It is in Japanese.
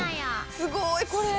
すごい！これ。